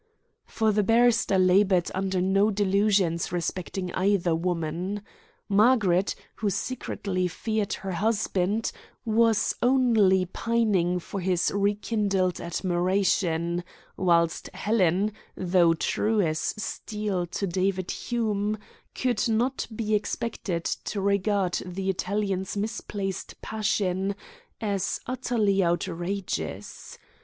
For the barrister laboured under no delusions respecting either woman. Margaret, who secretly feared her husband, was only pining for his rekindled admiration, whilst Helen, though true as steel to David Hume, could not be expected to regard the Italian's misplaced passion as utterly outrageous.